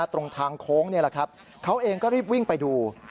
ตรงทางโค้งนี่แหละครับเขาเองก็รีบวิ่งไปดู